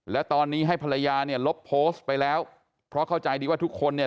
และตอนนี้ให้ภรรยาเนี่ยลบโพสต์ไปแล้วเพราะเข้าใจดีว่าทุกคนเนี่ย